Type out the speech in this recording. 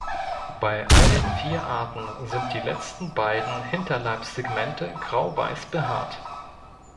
Bei allen vier Arten sind die letzten beiden Hinterleibssegmente grauweiß behaart.